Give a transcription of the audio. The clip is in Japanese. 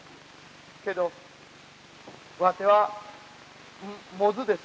けどわては百舌です。